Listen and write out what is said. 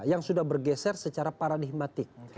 yang sudah bergeser secara paradigmatik